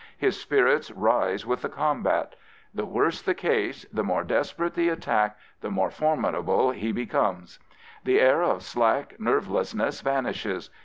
His spirits rise with the combat. The worse the case, the more desperate the attack, the more formidable he be comes. The air of slack nervelessness vanishes.